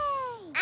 あ！